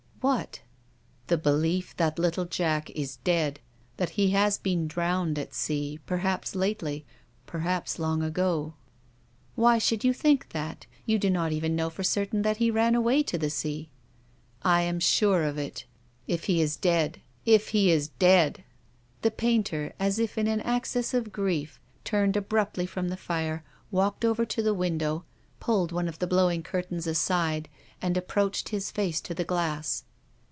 "What?" " The belief that little Jack is dead ; that he has been drowned at sea, perhaps lately, perhaps long ago." "Why should you think that? You do not even know for certain that he ran away to sea." " I am sure of it. If he is dead! If he is dead!" The painter, as if in an access of grief, turned abruptly from the fire, walked over to the window, pulled one of the blowing curtains aside and ap proached his face to the glass.